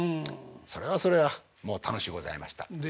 それはそれはもう楽しゅうございました。でしょうな。